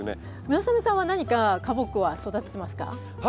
村雨さんは何か花木は育ててますか？